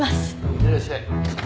いってらっしゃい。